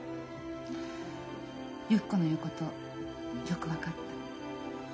ゆき子の言うことよく分かった。